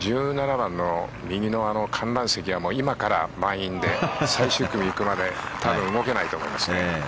１７番の右の観覧席は今から満員で最終組行くまで多分動けないと思いますね。